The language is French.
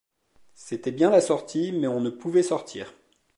C’était bien la sortie, mais on ne pouvait sortir.